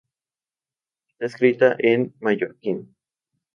Está escrita en mallorquín.